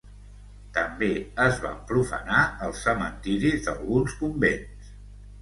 També es van profanar els cementiris d'alguns convents.